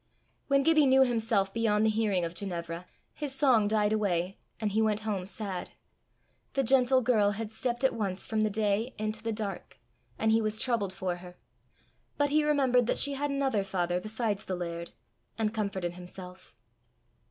When Gibbie knew himself beyond the hearing of Ginevra, his song died away, and he went home sad. The gentle girl had stepped at once from the day into the dark, and he was troubled for her. But he remembered that she had another father besides the laird, and comforted himself.